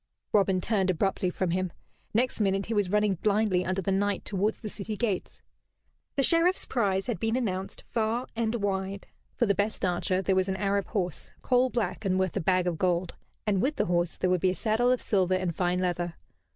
Robin turned abruptly from him. Next minute he was running blindly under the night towards the city gates. The Sheriff's prize had been announced far and wide. For the best archer there was an Arab horse, coal black and worth a bag of gold, and with the horse there would be a saddle of silver and fine leather.